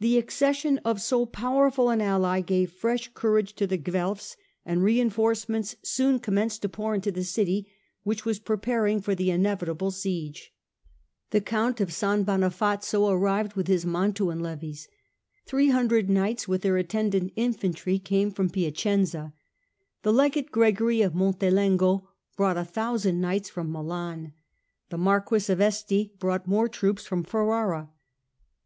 The accession of so powerful an ally gave fresh courage to the Guelfs, and reinforcements soon com 258 THE GATHERING OF THE CLOUDS 259 menced to pour into the city, which was preparing for the inevitable siege. The Count of San Bonifazio arrived with his Mantuan levies. Three hundred knights, with their attendant infantry, came from Piacenza. The Legate Gregory of Montelengo brought a thousand knights from Milan. The Marquess of Este brought more troops from Ferrara.